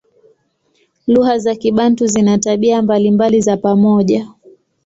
Lugha za Kibantu zina tabia mbalimbali za pamoja.